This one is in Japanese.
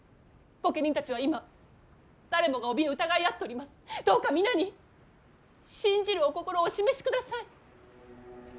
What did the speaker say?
御家人たちは今誰もがおびえ疑い合っております。どうか皆に信じるお心をお示しください。